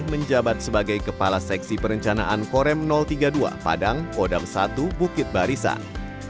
menjabat sebagai kepala seksi perencanaan korem tiga puluh dua padang kodam satu bukit barisan